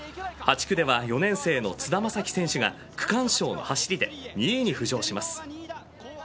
８区では４年生の津田将希選手が区間賞の走りで２位に浮上します。